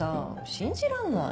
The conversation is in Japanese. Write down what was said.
信じらんない。